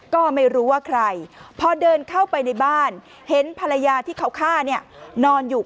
ก็ไม่รู้ว่าใครพอเดินเข้าไปในบ้านเห็นภรรยาที่เขาฆ่าเนี่ยนอนอยู่